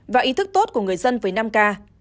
và ý thức tốt của người dân với năm k